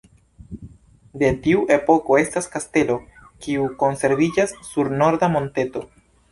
De tiu epoko estas kastelo, kiu konserviĝas sur norda monteto.